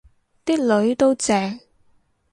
啲囡都正